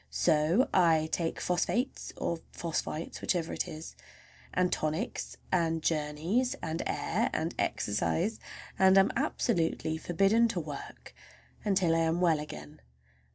So I take phosphates or phosphites—whichever it is, and tonics, and journeys, and air, and exercise, and am absolutely forbidden to "work" until I am well again.